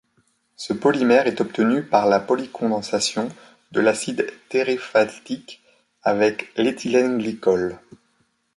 Ce polymère est obtenu par la polycondensation de l'acide téréphtalique avec l'éthylène glycol.